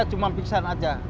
dia cuma pingsan aja